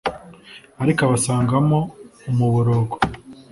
ariko abasangamo umuborogo